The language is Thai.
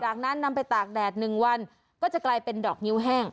จากนั้นนำไปตากแดด๑วันก็จะกลายเป็นดอกนิ้วแห้ง